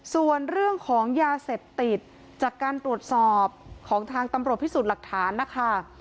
ส่วนเรื่องของยาเสพติดจากการตรวจสอบของทางตำรวจพิสูจน์หลักฐานนะคะ